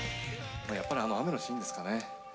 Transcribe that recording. やっぱり雨のシーンですかね。